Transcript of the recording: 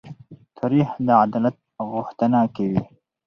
تاریخ د عدالت غوښتنه کوي.